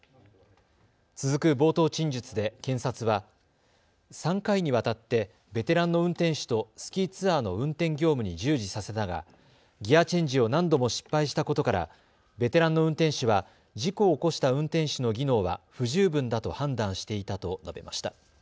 続く冒頭陳述で検察は３回にわたってベテランの運転手とスキーツアーの運転業務に従事させたがギアチェンジを何度も失敗したことからベテランの運転手は事故を起こした運転手の技能は不十分だと判断していたと述べました。